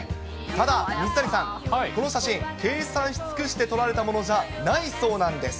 ただ水谷さん、この写真、計算し尽くして撮られたものじゃないそうなんです。